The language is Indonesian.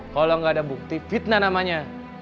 kalo gak ada bukti fitnah namanya